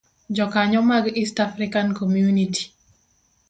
Jokanyo mag East African Community